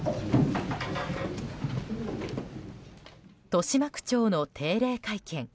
豊島区長の定例会見。